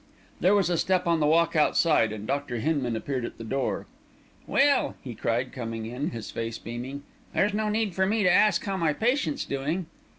There was a step on the walk outside, and Dr. Hinman appeared at the door. "Well!" he cried, coming in, his face beaming. "There's no need for me to ask how my patient's doing!"